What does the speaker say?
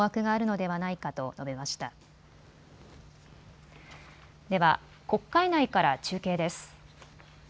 では国会内から中継です。